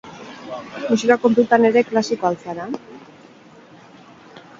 Musika kontutan ere, klasikoa al zara?